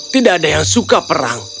tidak ada yang suka perang